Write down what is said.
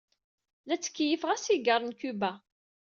La ttkeyyifeɣ asigaṛ n Cuba.